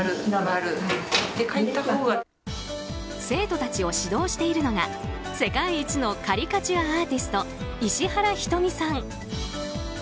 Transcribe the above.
生徒たちを指導しているのが世界一のカリカチュアアーティスト石原瞳さん。